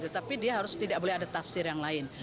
tetapi dia harus tidak boleh ada tafsir yang lain